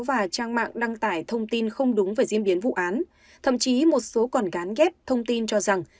và trang mạng đăng tải thông tin không đúng về diễn biến vụ án thậm chí một số còn gắn ghép thông tin cho rằng